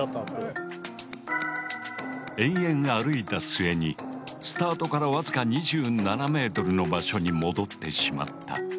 延々歩いた末にスタートからわずか２７ｍの場所に戻ってしまった。